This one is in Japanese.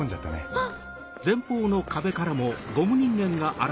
あっ。